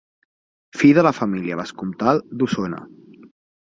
Fill de la família vescomtal d'Osona.